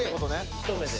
ひとめで。